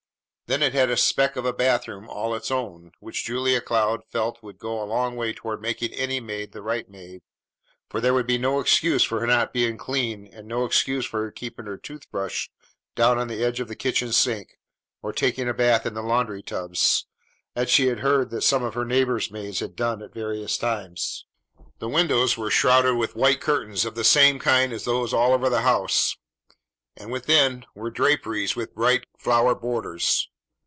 Then it had a speck of a bathroom all its own, which Julia Cloud felt would go a long way toward making any maid the right maid, for there would be no excuse for her not being clean and no excuse for her keeping her tooth brush down on the edge of the kitchen sink or taking a bath in the laundry tubs, as she had heard that some of her neighbors' maids had done at various times. The windows were shrouded with white curtains of the same kind as those all over the house, and within were draperies with bright flower borders.